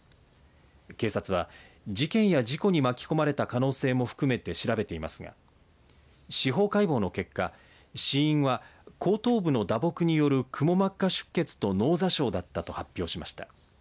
警察は事件や事故に巻き込まれた可能性も含めて調べていますが司法解剖の結果、死因は後頭部の打撲によるくも膜下出血と脳挫傷だったと発表しました。